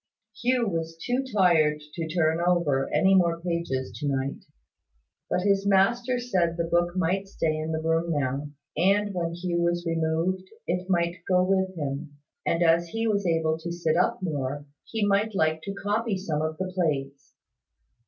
Hugh was too tired to turn over any more pages to night: but his master said the book might stay in the room now, and when Hugh was removed, it might go with him; and, as he was able to sit up more, he might like to copy some of the plates.